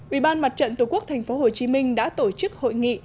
ubnd tq tp hcm đã tổ chức hội nghị